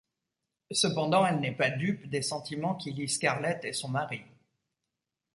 Cependant elle n'est pas dupe des sentiments qui lie Scarlett et son mari.